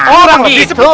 oh lebih seperti itu